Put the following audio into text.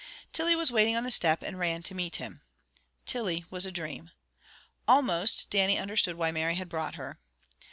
Tilly was waiting on the step, and ran to meet him. Tilly was a dream. Almost, Dannie understood why Mary had brought her.